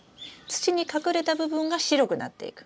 土に隠れた部分が白くなっていく。